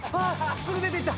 すぐ出ていった。